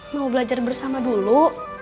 mau belajar bersama dulu